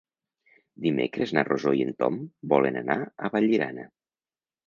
Dimecres na Rosó i en Tom volen anar a Vallirana.